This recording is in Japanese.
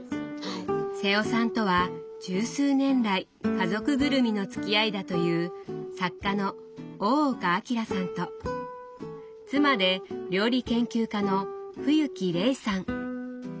瀬尾さんとは十数年来家族ぐるみのつきあいだという作家の大岡玲さんと妻で料理研究家の冬木れいさん。